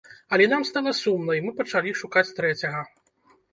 Але нам стала сумна і мы пачалі шукаць трэцяга.